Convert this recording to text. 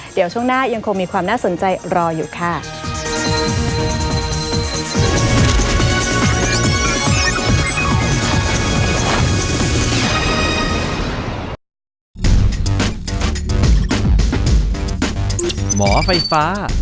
เดี๋ยวช่วงหน้ายังคงมีความน่าสนใจรออยู่ค่ะ